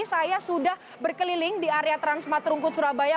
saya sudah berkeliling di area transmatrungkut surabaya